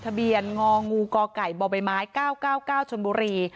ทะเบียนงงกกบม๙๙๙๙ชนบุรี